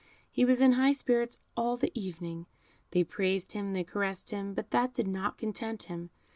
He was in high spirits all the evening. They praised him, they caressed him, but that did not content him.